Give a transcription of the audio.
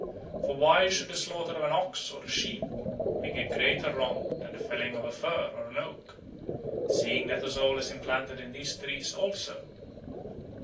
For why should the slaughter of an ox or a sheep be a greater wrong than the felling of a fir or an oak, seeing that a soul is implanted in these trees also?"